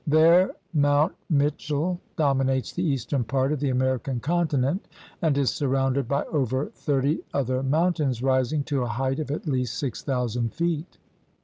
There Mount Mitch ell dominates the eastern part of the American continent and is surrounded by over thirty other mountains rising to a height of at least six thousand feet.